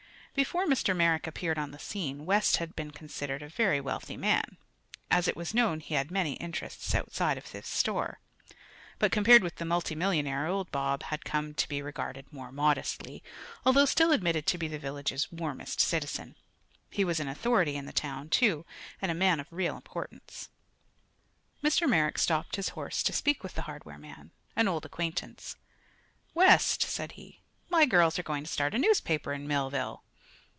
Before Mr. Merrick appeared on the scene West had been considered a very wealthy man, as it was known he had many interests outside of his store; but compared with the multi millionaire old Bob had come to be regarded more modestly, although still admitted to be the village's "warmest" citizen. He was an authority in the town, too, and a man of real importance. Mr. Merrick stopped his horse to speak with the hardware man, an old acquaintance. "West," said he, "my girls are going to start a newspaper in Millville."